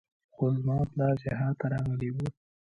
خو زما پلار جهاد ته راغلى و.